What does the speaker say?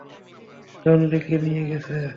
জন লিকে নিয়ে গেছে!